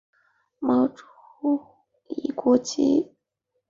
毛主义国际主义运动用舆论赞成反帝国主义和民族解放斗争。